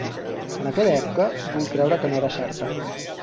En aquella època vull creure que no era certa